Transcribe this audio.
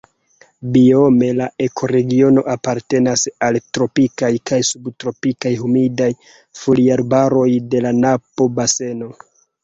Biome la ekoregiono apartenas al tropikaj kaj subtropikaj humidaj foliarbaroj de la Napo-baseno.